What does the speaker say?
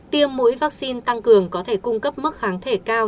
tiêm mũi vaccine tăng cường có thể cung cấp mức kháng thể cao